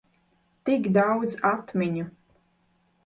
Tik daudz atmiņu.